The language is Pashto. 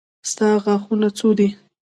ستا غاښونه څو دي.